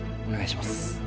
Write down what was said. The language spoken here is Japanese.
お願いします